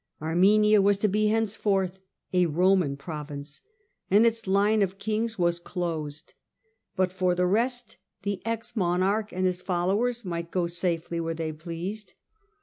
Armenia was to be henceforth a Roman province and its line of kings was closed ; but for the rest the ex monarch and his followers might go safely where they pleased.